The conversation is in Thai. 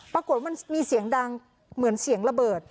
ปรากฏว่ามันมีเสียงดังเหมือนเสียงระเบิด